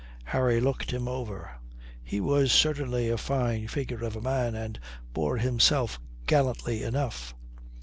Harry looked him over. He was certainly a fine figure of a man, and bore himself gallantly enough.